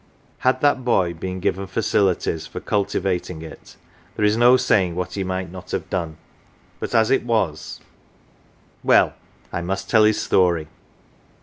Had that boy been given facilities for cultivating it there is no saying what he might not have done, but as it was well, I must tell his story.